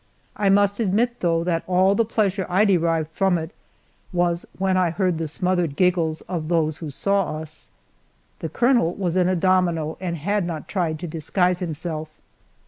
I must admit, though, that all the pleasure I derived from it was when I heard the smothered giggles of those who saw us. The colonel was in a domino and had not tried to disguise himself.